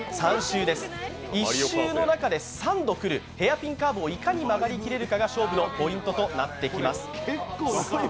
１周の中で、３度くる、ヘアピンカーブをいかに曲がり切れるかが勝負のポイントとなってきます。